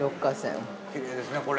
◆きれいですね、これ。